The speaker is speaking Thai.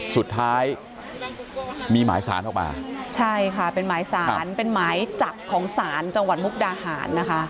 สุดท้ายมีหมายสารออกมาใช่ค่ะเป็นหมายสารเป็นหมายจับของศาลจังหวัดมุกดาหารนะคะ